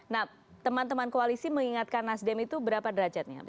nah teman teman koalisi mengingatkan nasdem itu berapa derajatnya